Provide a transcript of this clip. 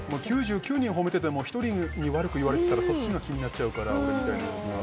９９人褒めていても１人に悪く言われていたらそっちが気になっちゃうから俺みたいなやつは。